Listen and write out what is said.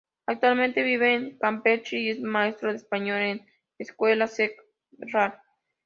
Actualmente vive en Campeche y es maestro de español en la Esc.Sec.Gral.